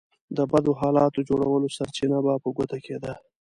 د بدو حالاتو جوړولو سرچينه به په ګوته کېده.